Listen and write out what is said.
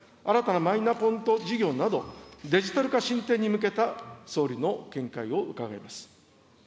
人材確保やデジタルデバイド対策、新たなマイナポイント事業など、デジタル化進展に向けた総理の見解を伺います。